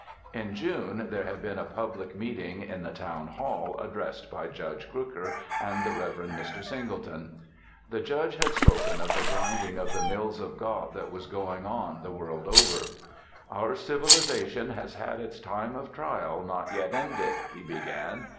In June, there had been a public meeting in the Town Hall addressed by Judge Crooker and the Reverend Mr. Singleton. The Judge had spoken of the grinding of the mills of God that was going on the world over. "Our civilization has had its time of trial not yet ended," he began.